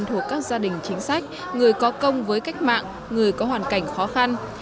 thuộc các gia đình chính sách người có công với cách mạng người có hoàn cảnh khó khăn